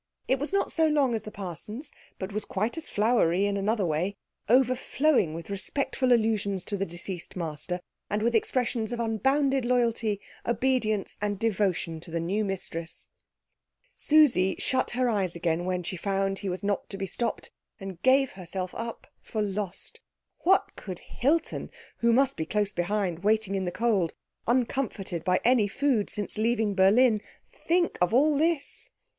It was not so long as the parson's, but was quite as flowery in another way, overflowing with respectful allusions to the deceased master, and with expressions of unbounded loyalty, obedience, and devotion to the new mistress. Susie shut her eyes again when she found he was not to be stopped, and gave herself up for lost. What could Hilton, who must be close behind waiting in the cold, uncomforted by any food since leaving Berlin, think of all this?